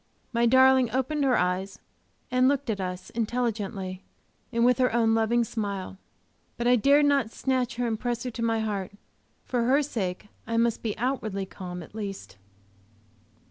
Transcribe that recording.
My darling opened her eyes and looked at us intelligently, and with her own loving smile. But I dared not snatch her and press her to my heart; for her sake I must be outwardly calm at least.